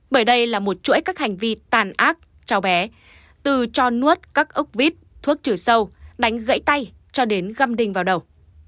bởi đây là một chuỗi các hành vi tàn ác cháu bé từ cho nuốt các ốc vít thuốc trừ sâu đánh gãy tay cho đến găm đinh vào đầu